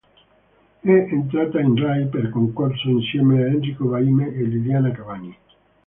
È entrata in Rai per concorso insieme a Enrico Vaime e Liliana Cavani.